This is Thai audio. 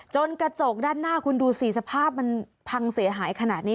กระจกด้านหน้าคุณดูสิสภาพมันพังเสียหายขนาดนี้